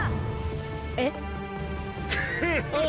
えっ？